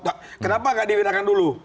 jadi kenapa gak diviralkan dulu